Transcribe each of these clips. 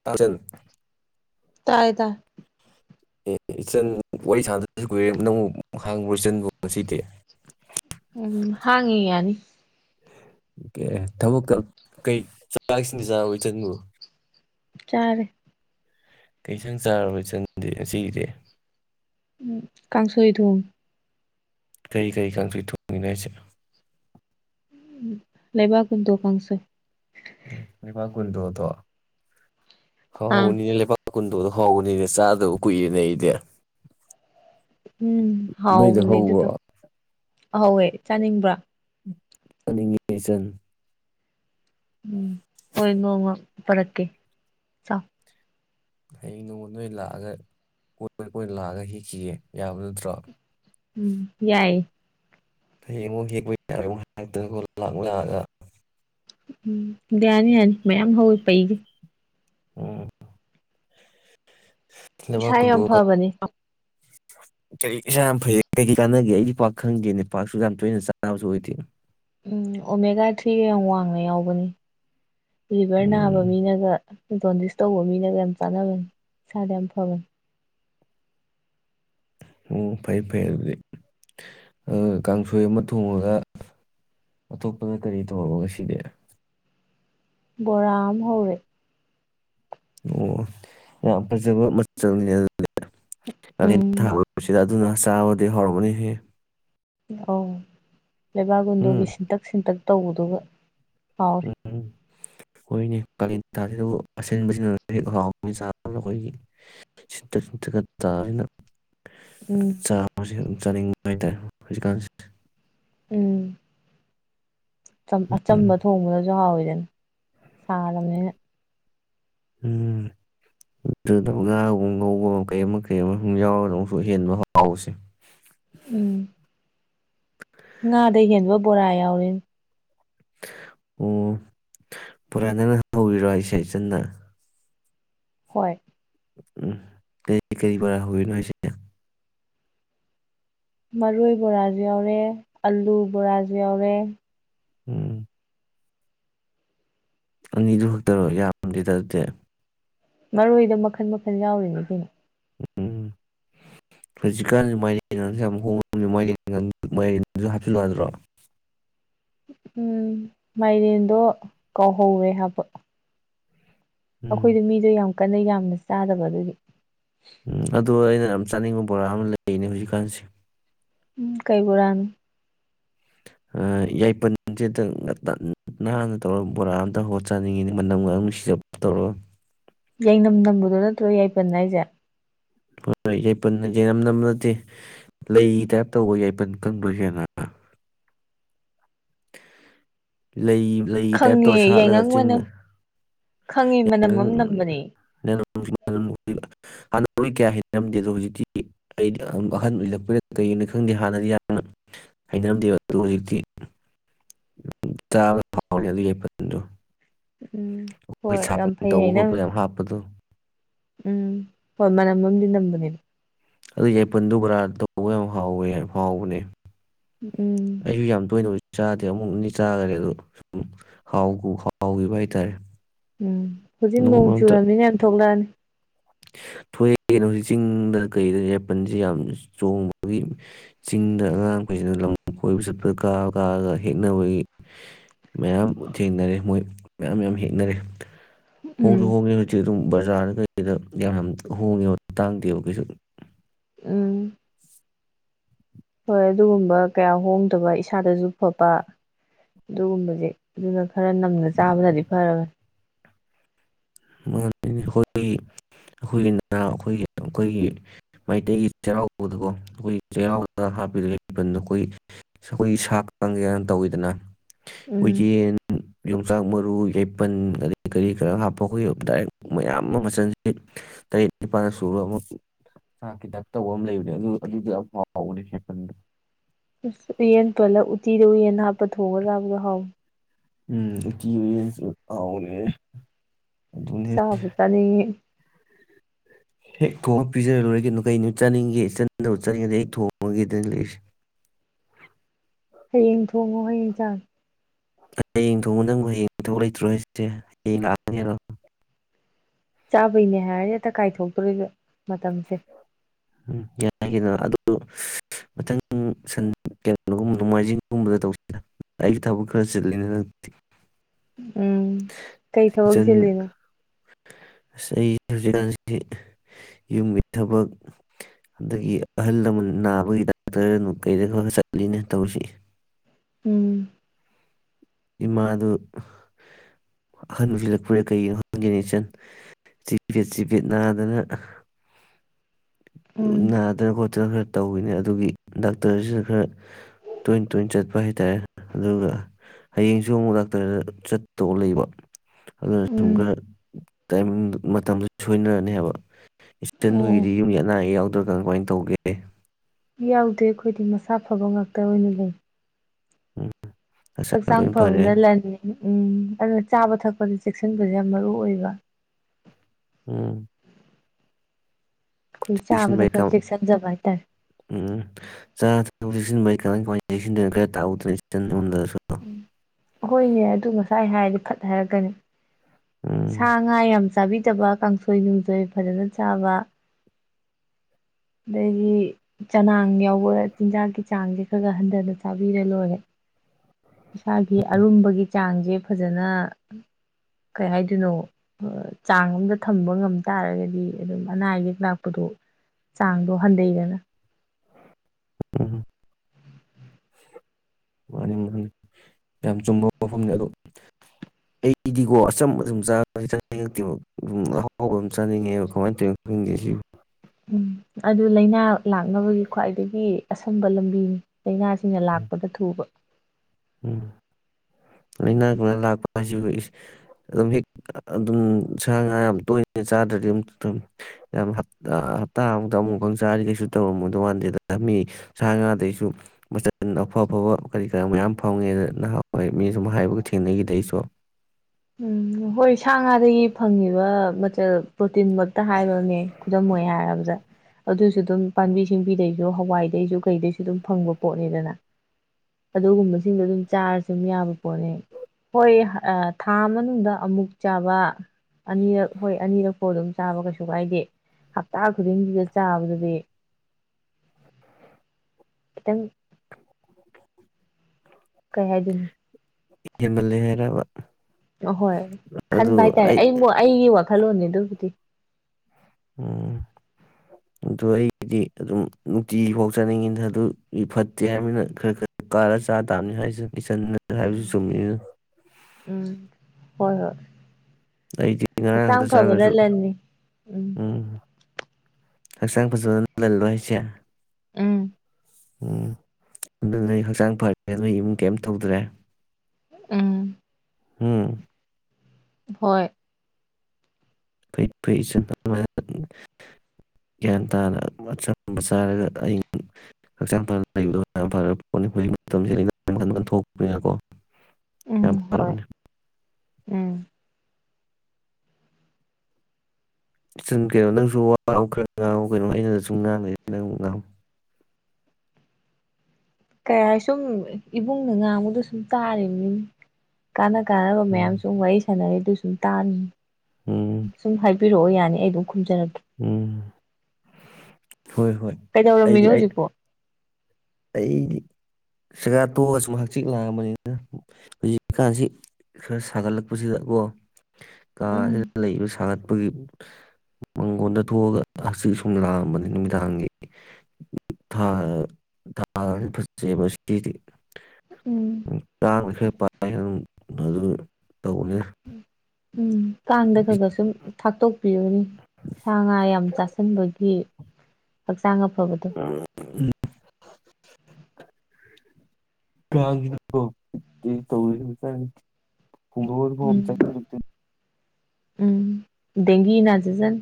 [inaudible] ꯇꯥꯏꯗ ꯑꯦ ꯏꯆꯟ ꯋꯥꯔꯤ ꯁꯥꯟꯗꯁꯨ ꯀꯨꯏꯔꯦ ꯅꯪ ꯍꯥꯡꯕ꯭ꯔꯣ ꯏꯆꯟꯕꯨ ꯉꯁꯤꯗꯤꯦ ꯎꯝ ꯍꯥꯡꯉꯤ ꯌꯥꯅꯤ ꯑꯣꯀꯦ ꯊꯕꯛꯇ ꯀꯩ ꯆꯥꯛꯁꯤꯡꯗ ꯆꯥꯔꯣꯏ ꯆꯟꯕꯣ ꯆꯔ ꯀꯩꯁꯪ ꯆꯥꯔꯕ ꯏ ꯆꯟꯗꯤꯦ ꯑꯁꯤ ꯁꯤꯗꯤ ꯎꯝ ꯀꯥꯡꯁꯣꯏ ꯊꯣꯡ ꯀꯩ ꯀꯔꯤ ꯀꯥꯡꯇ꯭ꯔꯤ ꯊꯣꯡꯉꯤꯅꯣ ꯑꯩꯁꯦ ꯎꯝ ꯂꯩꯕꯥꯛ ꯎꯗꯀꯁꯦ ꯎ ꯂꯩꯕꯒꯨꯟꯗꯗꯣ ꯍ ꯑꯥ ꯎꯅ ꯂꯩꯕꯥꯛ ꯆ ꯀꯨꯟꯗꯣꯗ ꯍꯧꯕꯅꯤꯅꯦ ꯆꯥꯗꯕ ꯀꯨꯏꯅꯦ ꯑꯩꯗꯤ ꯎꯝ ꯅꯣꯏꯗ ꯍꯥꯎꯕꯅꯦ ꯍꯧꯕ꯭ꯔꯣ ꯑꯗꯨꯗꯣꯍꯥꯎꯋꯦ ꯆꯥꯅꯤꯡꯕ꯭ꯔꯥ ꯅꯤꯡꯉꯁꯟ ꯎꯝ ꯍꯣꯏ ꯅꯣꯡꯃ ꯄꯔꯛꯀꯦ ꯆ ꯑꯩ ꯅꯣꯡꯉꯣꯟ ꯅꯣꯏ ꯂꯥꯛꯑꯒ ꯀꯣꯏ ꯀꯣꯏꯅ ꯂꯥꯛꯑꯒ ꯍꯦꯛꯈꯤꯒꯦ ꯌꯥꯕ ꯅꯠꯇ꯭ꯔꯣ ꯎꯝ ꯌꯥꯏꯌꯦ ꯍꯌꯦꯡꯉꯨꯛ ꯍꯦꯛꯄ ꯌꯥꯔꯣ ꯍꯥꯏꯗꯅꯣ ꯂꯥꯛ ꯂꯥꯛꯑꯒ ꯎꯝ ꯌꯥꯅꯤ ꯌꯥꯅꯤ ꯃꯌꯥꯝ ꯍꯧꯋꯏ ꯄꯩꯒꯦ ꯎꯝ ꯅꯩꯕꯥꯛ ꯏꯁꯥ ꯌꯥꯝ ꯀꯨꯟꯗꯣꯈꯛ ꯐꯕꯅꯦ ꯀꯔꯤ ꯏꯁꯥ ꯌꯥꯝ ꯐꯩ ꯀꯩ ꯀꯥꯟꯅꯒꯦ ꯑꯩꯗꯤ ꯄꯥꯛ ꯈꯪꯒꯦꯅꯦ ꯄꯥꯛꯁꯨ ꯌꯥꯝ ꯇꯣꯏꯅ ꯆꯥꯅꯕꯕꯁꯨ ꯑꯣꯏꯗꯦ ꯎꯝ ꯑꯣꯃꯦꯒꯥ ꯊ꯭ꯔꯤꯒ ꯌꯥꯝ ꯋꯥꯡꯅ ꯌꯥꯎꯕꯅꯤ ꯂꯤꯚꯔ ꯅꯥꯕ ꯎꯝ ꯃꯤꯅꯒ ꯖꯣꯟꯗꯤꯁ ꯇꯧꯕ ꯃꯤꯅꯒ ꯌꯥꯝ ꯆꯥꯟꯅꯕꯅꯤ ꯏꯁꯔꯗ ꯌꯥꯝ ꯐꯕꯅꯤ ꯎꯝ ꯐꯩ ꯐꯩ ꯑꯗꯨꯗꯤ ꯀꯥꯡꯁꯣꯏ ꯑꯃ ꯊꯣꯡꯉꯒ ꯑꯇꯣꯞꯄꯗ ꯀꯔꯤ ꯇꯧꯔꯕ ꯉꯁꯤꯗꯤ ꯕꯣꯔ ꯑꯃ ꯍꯧꯔꯦ ꯑꯣ ꯌꯥꯝ ꯐꯖꯕ ꯃꯆꯜꯅꯦ ꯑꯗꯨꯗꯤ ꯎꯝ ꯊꯕꯁꯤꯗ ꯑꯗꯨꯅ ꯆꯥꯕꯗꯤ ꯍꯧꯔꯝꯒꯅꯤꯍꯦ ꯑ ꯎꯝ ꯂꯩꯕꯥꯛꯀꯨꯟꯗꯣꯒꯤ ꯁꯤꯟꯇꯛ ꯁꯤꯟꯇꯛ ꯇꯧꯕꯗꯨꯒ ꯍꯥꯎ ꯎꯝ ꯍꯈꯣꯏꯅꯦ ꯀꯥꯂꯦꯜ ꯊꯥꯁꯤꯗꯕꯨ ꯑꯁꯤꯟꯕꯖꯤꯅ [unintelligible] ꯎꯝ [unintelligible] [unintelligible] ꯍꯥꯏꯇꯥꯔꯦ ꯍꯧꯖꯤꯛꯀꯥꯟꯁꯤ ꯎꯝ ꯑꯆꯝꯕ ꯄꯥꯜꯂꯝꯅꯦꯅ ꯎꯝ ꯑꯗꯨꯗ ꯉꯥꯒꯨꯝ ꯉꯧꯒꯨꯝꯕ ꯀꯩ ꯑꯃ ꯀꯩ ꯑꯃ ꯁꯨꯝ ꯌꯥꯎꯔꯒ ꯑꯃꯨꯛꯁꯨ ꯑꯍꯦꯟꯕ ꯍꯥꯎꯁꯦ ꯎꯝ ꯉꯥꯗꯩ ꯍꯦꯟꯕ ꯕꯣꯔꯥ ꯌꯥꯎꯔꯦ ꯑꯣ ꯄꯨꯔꯥ ꯅꯪꯅ ꯍꯧꯔꯤꯔ ꯑꯩꯁꯦ ꯏꯆꯟꯅ ꯍꯣꯏ ꯎꯝ ꯀꯔꯤ ꯀꯔꯤ ꯕꯣꯔ ꯍꯧꯔꯤꯅꯣ ꯍꯥꯏꯁꯦ ꯃꯔꯣꯏ ꯕꯣꯔꯥꯁꯨ ꯌꯥꯎꯔꯦ ꯑꯥꯂꯨ ꯕꯣꯔꯥꯁꯨ ꯌꯥꯎꯔꯦ ꯎꯝ ꯑꯅꯤꯗꯨ ꯈꯛꯇꯔꯣ ꯌꯥꯝꯗꯦꯗ ꯑꯗꯨꯗꯤ ꯃꯔꯣꯏꯗ ꯃꯈꯟ ꯃꯈꯟ ꯌꯥꯎꯔꯤꯅꯦ ꯀꯩꯅꯣ ꯎꯝ ꯍꯧꯖꯤꯛꯀꯥꯟ ꯃꯥꯏꯔꯦꯜ [unintelligible] ꯎꯝ ꯃꯥꯏꯔꯦꯟꯗꯣ ꯀꯧꯍꯧꯔꯦ ꯍꯥꯏꯕ ꯎꯝ ꯑꯩꯈꯣꯏꯗ ꯃꯤꯗꯣ ꯌꯥꯝ ꯀꯟꯅ ꯌꯥꯝꯅ ꯆꯥꯗꯕ ꯑꯗꯨꯗꯤ ꯎꯝ ꯑꯗꯣ ꯑꯩꯅ ꯌꯥꯝ ꯆꯥꯅꯤꯡꯕ ꯕꯣꯔꯥ ꯑꯃ ꯂꯩꯔꯤꯅꯦ ꯍꯧꯖꯤꯛꯀꯥꯟꯁꯦ ꯎꯝ ꯀꯩ ꯕꯣꯔꯥꯅꯣ ꯌꯥꯏꯄꯜꯁꯤꯗ ꯍꯥꯟꯟꯅ ꯇꯧꯔꯒ ꯕꯣꯔꯥ ꯑꯝꯇꯪ ꯍꯧꯣꯠ ꯆꯥꯅꯤꯡꯉꯤꯅꯤ ꯃꯅꯝꯒꯥꯡ ꯅꯨꯡꯁꯤꯖ ꯇꯧꯔꯛ ꯑꯣ ꯌꯥꯏꯅꯝ ꯅꯝꯕꯗꯣ ꯅꯠꯇ꯭ꯔꯣ ꯌꯥꯏꯄꯟꯅ ꯍꯥꯏꯁꯦ ꯍꯣꯏ ꯌꯥꯏꯄꯟꯅ ꯌꯦꯅꯝ ꯅꯝ ꯅꯠꯇꯦ ꯂꯩ ꯇꯥꯏꯞ ꯇꯧꯕ ꯌꯥꯏꯄꯜ ꯀꯪꯗꯣꯏꯁꯦꯅ ꯂꯩ ꯂꯩꯒꯤ ꯇꯥꯏꯞꯇꯧꯔ ꯁꯥꯠꯂꯒ ꯆꯤꯡꯅ ꯈꯪꯉꯤ ꯃꯅꯝ ꯑꯃ ꯅꯝꯕꯅꯦ ꯍꯥꯟꯅꯣꯏ ꯀꯌꯥ ꯍꯟꯅꯔꯝꯗꯦ ꯑꯗꯣ ꯍꯧꯖꯤꯛꯇꯤ ꯑꯩꯗꯤ ꯑꯍꯟ ꯑꯣꯏꯜꯂꯛꯄꯔ ꯀꯩꯒꯤꯅꯣ ꯈꯪꯗꯦ ꯍꯥꯟꯅꯗꯤ ꯌꯥꯔꯅ ꯍꯥꯏꯅꯝꯗꯦꯕ ꯑꯗꯨ ꯍꯧꯖꯤꯛꯇꯤ ꯆꯥꯕ ꯐꯥꯎꯦ ꯑꯗꯨ ꯌꯥꯏꯄꯜꯗꯣ ꯎꯝ ꯍꯣꯏ ꯌꯥꯝ ꯇꯧꯕ ꯐꯩꯌꯦ ꯈꯣꯠꯄ ꯅꯪ ꯌꯥꯝ ꯍꯥꯞꯄꯗꯣ ꯎꯝ ꯍꯣꯏ ꯃꯅꯝ ꯑꯃꯗꯤ ꯅꯝꯕꯅꯦꯕ ꯑꯗꯨ ꯌꯥꯄꯟꯗꯨ ꯔꯥ ꯇꯧꯕ ꯌꯥꯝ ꯍꯥꯎꯋꯦ ꯍꯥꯎꯕꯅꯦ ꯎꯝ ꯑꯩꯁꯨ ꯌꯥꯝ ꯇꯣꯏꯅꯕꯨ ꯆꯥꯗꯦ ꯑꯃꯨꯛ ꯑꯅꯤ ꯆꯥꯈꯔꯦ ꯑꯗꯣ ꯁꯨꯝ ꯍꯥꯎ ꯍꯥꯎꯈꯤꯕ ꯍꯥꯏꯇꯥꯔꯦ ꯎꯝ ꯍꯧꯖꯤꯛ ꯅꯣꯡ ꯅꯣꯡꯃ ꯆꯨꯨꯔꯔꯕꯅꯤꯅ ꯌꯥꯝ ꯊꯣꯛꯂꯛꯑꯅꯤ ꯊꯣꯛꯑꯒꯦꯅ ꯍꯧꯖꯤꯛ ꯆꯤꯡꯗ ꯀꯩꯗ ꯌꯥꯏꯄꯜꯁꯤ ꯌꯥꯝ ꯆꯣꯡꯕꯒꯤ ꯆꯤꯡꯗ ꯑꯉꯥꯡꯈꯩꯁꯤꯅ ꯂꯝ ꯀꯣꯏꯕ ꯆꯠꯄꯗ ꯀꯥꯔ ꯀꯥꯔꯒ ꯍꯦꯛꯅꯕꯒꯤ ꯃꯌꯥꯝ ꯊꯦꯡꯅꯔꯦ ꯃꯣꯏ ꯃꯌꯥꯝ ꯃꯌꯥꯝ ꯍꯦꯛꯅꯔꯦ ꯎꯝ ꯍꯣꯡꯁꯨ ꯍꯣꯡꯉꯦ ꯍꯧꯖꯤꯛ ꯑꯗꯨꯝ ꯕꯖꯥꯔꯅ ꯀꯩꯗ ꯌꯥꯝ ꯌꯥꯝ ꯍꯣꯡꯉꯦꯕ ꯇꯥꯡꯗꯦꯕ ꯀꯩꯁꯨ ꯎꯝ ꯍꯣꯏ ꯑꯗꯨꯒꯨꯝꯕ ꯀꯌꯥ ꯍꯣꯡꯗꯕ ꯏꯁꯥꯗꯁꯨ ꯐꯕ ꯑꯗꯨꯒꯨꯝꯕꯁꯦ ꯑꯗꯨꯅ ꯈꯔ ꯅꯝꯅ ꯆꯥꯕꯅꯗꯤ ꯐꯔꯕꯟ [unintelligible] ꯑꯩꯈꯣꯏꯒꯤ ꯑꯩꯈꯣꯏꯒꯤ ꯅ ꯑꯩꯈꯣꯏꯒꯤ ꯑꯩꯈꯣꯏꯒꯤ ꯃꯩꯇꯩꯒꯤ ꯆꯩꯔꯥꯎꯕꯗꯀꯣ ꯑꯩꯈꯣꯏ ꯆꯩꯔꯥꯎꯗ ꯍꯥꯞꯄꯤ [unintelligible] ꯑꯩꯈꯣꯏ ꯑꯩꯈꯣꯏ ꯁꯥ ꯀꯪꯒꯦꯅ ꯇꯧꯋꯤꯗꯅ ꯎꯝ ꯎꯆꯌꯦꯟ ꯌꯣꯡꯆꯥꯛ ꯃꯔꯨ ꯌꯥꯏꯄꯜ ꯑꯗꯩ ꯀꯔꯤ ꯈꯔ ꯍꯥꯞꯄ ꯑꯈꯣꯏꯒꯤ ꯗꯥꯏꯔꯦꯛ ꯃꯌꯥꯝ ꯑꯃ ꯃꯆꯜꯁꯤ ꯇꯔꯦꯠ ꯅꯤꯄꯥꯜꯗ ꯁꯨꯔꯣ ꯑꯃꯨꯛ ꯆꯥꯛ ꯍꯈꯤꯇꯥꯛ ꯇꯧꯕ ꯑꯃ ꯂꯩꯕꯅꯦ ꯑꯗꯨ ꯑꯗꯨꯗ ꯌꯥꯝ ꯍꯥꯎꯕꯅꯦ ꯁꯦꯄꯜ ꯑꯁ ꯎꯌꯦꯟ ꯄꯜꯂ ꯎꯇꯤꯗ ꯎꯌꯦꯟ ꯍꯥꯞꯄ ꯊꯣꯡꯉꯒ ꯆꯥꯕꯗꯣ ꯍꯥꯎꯋ ꯎꯝ ꯎꯇꯤ ꯎꯌꯦꯟ [unintelligible] [unintelligible] ꯍꯦꯛ ꯊꯣꯡꯉ ꯄꯤꯖꯔ ꯂꯣꯏꯔꯒꯦꯅꯨ ꯀꯩꯅꯣ ꯆꯥꯅꯤꯡꯒꯦ ꯆꯗꯕ ꯆꯠꯅꯤꯡꯉꯗꯤ ꯑꯩ ꯊꯣꯡꯉꯒꯦꯗꯅ ꯂꯩꯔꯤꯁꯦ ꯍꯌꯦꯡ ꯊꯣꯡꯉꯣ ꯍꯌꯦꯡꯁꯥꯡ ꯍꯌꯦꯡ ꯊꯣꯡꯉ ꯅꯪꯕꯨ ꯍꯌꯦꯡꯊꯣꯛ ꯂꯩꯇ꯭ꯔꯣ ꯍꯥꯏꯁꯦ ꯍꯌꯦꯡ ꯂꯥꯛ [unintelligible] ꯆꯥꯕꯩꯅꯦ ꯍꯥꯏꯔꯗꯤ ꯑꯇ ꯀꯥꯏꯊꯣꯛꯇꯣꯔꯤꯕ ꯃꯇꯝꯁꯦ ꯎꯝ ꯌꯥꯏꯒꯤꯅ ꯑꯗꯨ ꯃꯊꯪ ꯁꯟ ꯀꯨꯝꯕ ꯅꯣꯡꯃꯥꯏꯖꯤꯡꯒꯨꯝꯕꯗ ꯇꯧꯁꯤ ꯑꯩꯒꯤ ꯊꯕꯛ ꯈꯔ ꯆꯠꯂꯤꯅꯤ ꯎꯝ ꯀꯩ ꯊꯕꯛ ꯀꯤꯆꯟ ꯆꯤꯜꯂꯤꯅꯣ ꯑꯁ ꯑꯩ ꯍꯧꯖꯤꯛꯀꯥꯟꯁꯤꯗꯤ ꯌꯨꯝꯒꯤ ꯊꯕꯛ ꯑꯗꯒꯤ ꯑꯍꯜ ꯂꯃꯟ ꯅꯥꯕꯒꯤ ꯗꯥꯛꯇꯔ ꯀꯩꯗꯅꯣ ꯈꯔ ꯆꯠꯂꯤꯅꯦ ꯆꯠꯂꯤꯅꯦ ꯎꯝ ꯏꯃꯥꯗꯨ ꯑꯍꯟ ꯑꯣꯏꯁꯤꯜꯂꯛꯄꯨꯔ ꯀꯩꯒꯤꯅꯦ [unintelligible] ꯆꯤꯄꯦꯠ ꯆꯤꯕꯦꯠ ꯅꯥꯗꯅ ꯎꯝ ꯅꯥꯗꯅ ꯈꯣꯠꯇꯅ ꯈꯔ ꯇꯧꯋꯤꯅꯦ ꯑꯗꯨꯒꯤ ꯗꯥꯛꯇꯔꯁꯤꯅ ꯈꯔ ꯇꯣꯏ ꯇꯣꯏ ꯆꯠꯄ ꯍꯥꯏꯇꯥꯔꯦ ꯑꯗꯨꯒ ꯍꯌꯦꯡꯁꯨ ꯑꯃꯨꯛ ꯗꯥꯛꯇꯔꯗ ꯆꯠꯇꯧ ꯂꯩꯕ ꯑꯗꯨꯅ ꯁꯨꯝ ꯎꯝ ꯈꯔ ꯇꯥꯏꯃꯤꯡ ꯃꯇꯝꯗꯨ ꯁꯣꯏꯅꯔꯅꯦꯕ ꯏꯁꯇ ꯑꯣ [unintelligible] ꯁꯤ ꯌꯨꯝꯒꯤ ꯑꯅꯥ ꯑꯌꯦꯛ ꯌꯥꯎꯗ꯭ꯔꯀ ꯀꯃꯥꯏꯅ ꯇꯧꯒꯦ ꯌꯥꯎꯗꯦ ꯑꯩꯈꯣꯏꯗꯤ ꯃꯁꯥ ꯐꯕ ꯉꯥꯛꯇ ꯑꯣꯏꯅ ꯂꯩ ꯎꯝ ꯍꯛꯆꯥꯡ ꯂꯣꯏ ꯐꯔꯦ ꯐꯕꯅ ꯂꯟꯅꯤ ꯎꯝ ꯑꯗꯨꯅ ꯆꯥꯕ ꯊꯛꯄꯗ ꯆꯦꯛꯁꯤꯟꯕꯁꯦ ꯌꯥꯝ ꯃꯔꯨ ꯑꯣꯏꯕ ꯎꯝ ꯑꯩꯈꯣꯏ ꯆꯥꯕꯗ ꯈꯔ ꯆꯦꯛꯁꯤꯟꯖꯕ ꯍꯥꯏꯇꯥꯔꯦ [unintelligible] ꯎꯝ ꯆꯥ ꯊ ꯆꯦꯛꯁꯤꯟꯕꯩ ꯀꯃꯥꯏ ꯀꯃꯥꯏ ꯆꯦꯛꯁꯤꯟꯗꯣ [unintelligible] ꯍꯣꯏꯅꯦ ꯑꯗꯨ ꯉꯁꯥꯏ ꯍꯥꯏꯔꯗꯤ ꯐꯠ ꯍꯥꯏꯔꯛꯀꯅꯤ ꯎꯝ ꯁꯥ ꯉꯥ ꯌꯥꯝ ꯆꯥꯕꯤꯗꯕ ꯀꯥꯡꯁꯣꯏ ꯅꯨꯡꯁꯣꯏ ꯐꯖꯅ ꯆꯥꯕ ꯑꯗꯩꯩꯗꯤ ꯆꯅꯥꯡ ꯌꯥꯎꯕ ꯆꯤꯟꯖꯥꯛꯀꯤ ꯆꯥꯡꯁꯦ ꯈꯔ ꯈꯔ ꯍꯟꯗꯅ ꯆꯥꯕꯤꯔ ꯂꯣꯏꯔꯦ ꯏꯁꯥꯒꯤ ꯑꯔꯨꯝꯕꯒꯤ ꯆꯥꯡꯁꯦ ꯐꯖꯅ ꯀꯩ ꯍꯥꯏꯗꯣꯏꯅꯣ ꯆꯥꯡ ꯑꯝꯗ ꯊꯝꯕ ꯉꯝ ꯇꯥꯔꯒꯗꯤ ꯑꯗꯨꯝ ꯑꯅꯥ ꯑꯌꯦꯛ ꯂꯥꯛꯄꯗꯣ ꯆꯥꯡꯗꯣ ꯍꯟꯗꯩꯩꯒꯅ ꯎꯝ ꯃꯥꯅꯤ ꯃꯥꯅꯤ ꯌꯥꯝ ꯆꯨꯝꯕ ꯋꯥꯐꯝꯅꯦ ꯑꯗꯨ ꯑꯩꯗꯤꯀꯣ ꯑꯆꯝ ꯆꯥ ꯆꯥꯅꯤꯡꯉꯛꯇꯦꯕ ꯑꯗꯨꯝ ꯑꯍꯥꯎꯕ ꯑꯗꯨꯝ ꯆꯥꯅꯤꯡꯉꯦꯕ ꯀꯃꯥꯏꯅ ꯇꯧꯔꯤꯅ [unintelligible] ꯎꯝ ꯑꯗꯨ ꯂꯥꯏꯅꯥ ꯂꯥꯛꯅꯕꯒꯤ ꯈ꯭ꯋꯥꯏꯗꯒꯤ ꯑꯁꯝꯕ ꯂꯝꯕꯤꯅꯤ ꯂꯥꯏꯅꯥꯁꯤꯡꯅ ꯎꯝ ꯂꯥꯛꯄꯗ ꯊꯨꯕ ꯎꯝ ꯂꯥꯏꯅꯥ ꯈꯨꯨꯅꯥ ꯂꯥꯛꯄ ꯍꯥꯏꯁꯤ ꯑꯗꯨꯝ ꯍꯦꯛ ꯑꯗꯨꯝ ꯁꯥ ꯉꯥ ꯌꯥꯝ ꯇꯣꯏꯅ ꯆꯥꯗ꯭ꯔꯗꯤ ꯑꯃꯝꯝ ꯌꯥꯝ ꯍꯞꯇꯥ ꯑꯃꯨꯛꯇ ꯑꯃꯨꯛꯀꯪ ꯆꯥꯔꯤ ꯀꯩꯁꯨ ꯇꯧꯔꯝꯃꯣꯏꯗꯧ ꯃꯥꯟꯗꯦꯗ ꯃꯤ ꯁꯥ ꯉꯥꯗꯒꯤꯩꯁꯨ ꯃꯆꯟ ꯑꯐ ꯑꯐꯕ ꯀꯔꯤ ꯀꯔꯥ ꯃꯌꯥꯝ ꯐꯪꯉꯦꯗ ꯅꯍꯥꯟꯋꯥꯏ ꯃꯤꯁꯨ ꯍꯥꯏꯕꯒ ꯊꯦꯡꯅꯈꯤꯗꯩꯁꯨ ꯎꯝ ꯍꯣꯏ ꯁꯥ ꯉꯥꯗꯒꯤ ꯐꯪꯉꯤꯕ ꯃꯆꯜ ꯄ꯭ꯔꯣꯇꯤꯟꯃꯛꯇ ꯍꯥꯏꯕꯅꯦ ꯈꯨꯗꯝ ꯑꯣꯏꯅ ꯍꯥꯏꯔꯕꯗ ꯑꯗꯨꯁꯨ ꯑꯗꯨꯝ ꯄꯥꯝꯕꯤ ꯁꯤꯡꯕꯤꯗꯩꯁꯨ ꯍꯋꯥꯏꯗꯩꯁꯨ ꯀꯩꯗꯩꯁꯨ ꯑꯗꯨꯝ ꯐꯪꯕ ꯄꯣꯠꯅꯤꯗꯅ ꯑꯗꯨꯒꯨꯝꯕꯁꯤꯡꯗꯣ ꯑꯗꯨꯝ ꯆꯥꯔꯁꯨ ꯑꯗꯨꯝ ꯌꯥꯕ ꯄꯣꯠꯅꯦ ꯍꯣꯏ ꯊꯥ ꯃꯅꯨꯡꯗ ꯑꯃꯨꯛ ꯆꯥꯕ ꯑꯅꯤꯔꯛ ꯍꯣꯏ ꯑꯅꯤꯔꯛꯐꯥꯎ ꯑꯗꯨꯝ ꯆꯥꯕ ꯀꯩꯁꯨ ꯀꯥꯏꯗꯦ ꯍꯞꯇꯥ ꯈꯨꯗꯤꯡꯒꯤꯗ ꯆꯥꯕꯗꯗꯤ [unintelligible] ꯈꯤꯇꯪ ꯀꯌꯥ ꯍꯥꯏ ꯑꯗꯨꯅꯤ ꯍꯦꯟꯒꯜꯂ ꯍꯥꯏꯔꯕ ꯑꯍꯣꯏ ꯈꯟꯕ ꯍꯥꯏꯇꯥꯔꯦ ꯑꯩ ꯑꯩꯒꯤ ꯋꯥꯈꯜꯂꯣꯟꯅꯦ ꯑꯗꯨꯕꯨꯗꯤ ꯎꯝ ꯑꯗꯨꯗ ꯑꯩꯗꯤ ꯑꯗꯨꯝ ꯅꯨꯡꯇꯤ ꯐꯥꯎ ꯆꯠꯅꯤꯡꯉꯤꯗ ꯑꯗꯨꯒꯤ ꯐꯠꯇꯦ ꯍꯥꯏꯕꯅꯤꯅ ꯈꯔ ꯈꯔ ꯀꯥꯔ ꯆꯥ ꯇꯥꯕꯅꯤ ꯍꯥꯏ ꯄ ꯍꯥꯏꯕꯁꯨ ꯎꯝ ꯆꯨꯝꯃꯤꯌꯨ ꯎꯝ ꯍꯣꯏ ꯍꯣꯏ ꯑꯩꯗꯤ ꯉꯔꯥꯡ ꯍꯛꯆꯥꯡ ꯈꯛꯇ ꯐꯕꯅ ꯆꯥꯈ꯭ꯔꯁꯨ ꯂꯟꯅꯤ ꯎꯝ ꯍꯛꯆꯥꯡ ꯐꯖꯅ ꯂꯜꯂꯣ ꯍꯥꯏꯁꯦ ꯎꯝ ꯎꯝ ꯑꯗꯨ ꯅꯣꯏ ꯍꯛꯆꯥꯡ ꯐꯔꯦ ꯅꯣꯏ ꯏꯃꯨꯡ ꯀꯩꯝ ꯇꯧꯗ꯭ꯔꯦ ꯎꯝ ꯎꯝ ꯍꯣꯏ ꯐꯩ ꯐꯩ ꯏꯆꯟ ꯑꯗꯨꯍꯥꯏꯅ ꯑꯗꯨꯝ ꯒ꯭ꯌꯥꯟ ꯇꯥꯅ ꯑꯆꯝꯕ ꯆꯥꯔꯒ ꯑꯩꯅ ꯍꯛꯆꯥꯡ ꯐꯅ ꯂꯩꯕꯗꯣ ꯌꯥꯝ ꯐꯔ ꯄꯣꯠꯅꯤꯒꯤ ꯃꯇꯝꯁꯦ ꯂꯩꯅ ꯃꯈꯜ ꯃꯈꯜ ꯊꯣꯛꯄꯅꯤꯅꯀꯣ ꯎꯝ ꯌꯥꯝ ꯍꯣꯏ ꯐꯔꯕꯅꯦ ꯎꯝ ꯁꯨꯝ ꯀꯩꯅꯣ ꯅꯪꯁꯨ ꯋꯥ ꯈꯔ ꯉꯥꯡꯉꯨ ꯀꯩꯅꯣ ꯑꯩꯅꯁꯨ ꯁꯨꯝ ꯉꯥꯡ ꯂꯩ ꯅꯪ ꯑꯃꯨꯛ ꯉꯥꯡꯉꯣ ꯀꯌꯥ ꯁꯨꯝ ꯏꯕꯨꯡꯅ ꯉꯥꯡꯕꯗꯣ ꯁꯨꯝ ꯇꯥꯔꯤꯕꯅꯤꯅ ꯀꯥꯟꯅ ꯀꯥꯟꯅꯕ ꯎꯝ ꯃꯌꯥꯝ ꯁꯨꯝ ꯋꯥꯔꯤ ꯁꯥꯟꯅꯔꯤꯗꯨ ꯁꯨꯝ ꯇꯥꯅꯤ ꯎꯝ ꯁꯨꯝ ꯄꯤꯔꯛꯑꯣ ꯌꯥꯅꯤ ꯑꯩ ꯑꯗꯨꯝ ꯈꯨꯝꯖꯔꯒꯦ ꯎꯝ ꯍꯣꯏ ꯍꯣꯏ ꯑꯩꯗꯤ ꯀꯩꯗꯧꯔꯝꯃꯤꯅꯣ ꯑꯩ ꯍꯧꯖꯤꯛꯄꯣ ꯑꯩꯗꯤ ꯆꯥꯛꯆꯥ ꯇꯣꯛꯑꯒ ꯁꯨꯝ ꯍꯛꯆꯤꯛ ꯂꯥꯡꯉꯝꯕꯅꯤꯗ ꯍꯧꯖꯤꯛ ꯀꯥꯟꯁꯤ ꯈꯔ ꯁꯥꯒꯠꯂꯛꯄꯁꯤꯗ ꯀꯣ ꯎꯝ ꯀꯥꯁꯤꯗ ꯂꯩꯕ ꯁꯥꯒꯠꯄꯒꯤ ꯃꯪꯒꯣꯟꯗ ꯊꯣꯛꯑꯒ ꯍꯥꯛꯆꯤꯛ ꯁꯨꯝ ꯂꯥꯛꯑꯝꯕꯅꯤ ꯅꯨꯃꯤꯗꯥꯡꯒꯤ ꯊꯥ ꯊꯥꯁꯦ ꯐꯥꯖꯩꯌꯦꯕ ꯉꯥꯁꯤꯗꯤ ꯎꯝ ꯇꯥꯡꯅ ꯈꯔ ꯄꯥꯏ ꯑꯗꯨ ꯑꯗꯨ ꯇꯧꯅꯤ ꯎꯝ ꯇꯥꯡꯗ ꯈꯥꯒ ꯈꯥꯒ ꯁꯨꯝ ꯊꯥꯛꯇꯣꯛ ꯄꯤꯌꯨꯅꯤ ꯁꯥ ꯉꯥ ꯌꯥꯝ ꯆꯥꯁꯤꯟꯕꯒꯤ ꯍꯛꯆꯥꯡ ꯑꯐꯥꯕꯗꯣ ꯑ ꯎꯝ ꯀꯥꯡ ꯒꯅꯤꯀꯣ ꯑꯗꯨꯝ ꯅꯣꯏꯔꯣꯝ ꯎꯝ ꯆꯪꯉꯦ ꯎꯝ ꯗꯦꯡꯒꯤ ꯅꯖꯥꯖꯟ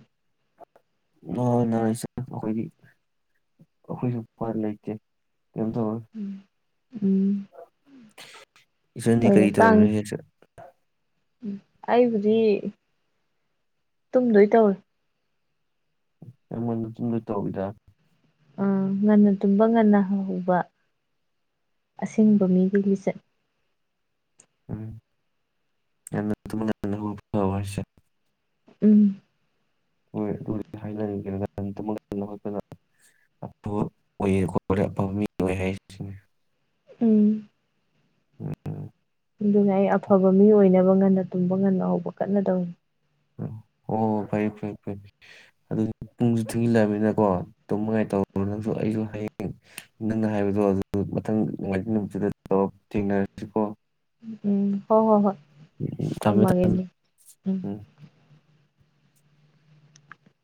ꯅꯨꯡꯉꯥꯏ ꯅꯨꯡꯉꯥꯏ ꯑꯩꯈꯣꯏꯗꯤ ꯑꯩꯈꯣꯏꯁꯨ ꯐ ꯂꯩꯇꯦ ꯀꯩꯝ ꯊꯣꯛꯑꯣꯏ ꯎ ꯎꯝ ꯏꯆꯟꯗꯤ ꯀꯔꯤ ꯇꯧꯔꯝꯃꯤꯅꯣ ꯍꯧꯖꯤꯛꯁꯦ ꯎ ꯑꯩꯕꯨꯗꯤ ꯇꯨꯝꯗꯣꯏ ꯇꯧꯔꯤ ꯌꯥꯝ ꯉꯟꯅ ꯇꯨꯝꯗꯨꯏ ꯇꯧꯋꯤꯗ ꯑꯥ ꯉꯟꯅ ꯇꯨꯝꯕ ꯉꯟꯅ ꯍꯧꯕ ꯑꯁꯦꯡꯕ ꯃꯤꯒꯤ ꯂꯤꯆꯠꯅꯤ ꯎꯝ ꯌꯥꯝꯅ ꯇꯨꯝꯕ ꯉꯟꯅ ꯍꯧꯒꯠꯄ ꯐꯕ ꯍꯥꯏꯁꯦ ꯎꯝ ꯍꯣꯏ ꯑꯗꯨ ꯍꯥꯏꯅꯔꯤꯝꯅꯤ ꯀꯩꯅꯣꯅꯦ ꯉꯟꯅ ꯇꯨꯝꯕ ꯉꯟꯅ ꯍꯧꯒꯠꯄ ꯑ ꯑꯣꯏꯌꯦ ꯈꯣꯠꯂꯦ ꯑꯐꯥꯕ ꯃꯤ ꯑꯣꯏ ꯍꯥꯏꯁꯤꯅꯤ ꯎꯝ ꯎꯝ ꯑꯗꯨꯅꯦ ꯑꯩ ꯑꯐꯕ ꯃꯤ ꯑꯣꯏꯅꯕ ꯉꯟꯅ ꯇꯨꯝꯕ ꯉꯟꯅ ꯍꯧꯕ ꯀꯟꯅꯇꯧꯔꯤ ꯑꯣ ꯐꯩ ꯐꯩ ꯐꯩ ꯑꯗꯨ ꯄꯨꯡꯁꯨ ꯊꯦꯡꯖꯤꯜꯂꯛꯕꯅꯤꯀꯣ ꯇꯨꯝꯅꯤꯉꯥꯏ ꯇꯧꯔꯣ ꯅꯪꯁꯨ ꯑꯩꯁꯨ ꯍꯌꯦꯡ ꯅꯪꯅ ꯍꯥꯏꯕꯗꯣ ꯑꯗꯨ ꯃꯊꯪ ꯅꯣꯡꯃꯥꯏꯖꯤꯡ ꯅꯨꯃꯤꯠꯇꯨꯗ ꯇꯧꯔ ꯊꯦꯡꯅꯥꯔꯁꯤꯀꯣ ꯎꯝ ꯍꯣꯏ ꯍꯣꯏ ꯍꯣꯏ ꯊꯝꯃꯦ ꯊꯝꯃꯦ ꯊꯝꯃꯒꯦꯅꯦ ꯎꯝ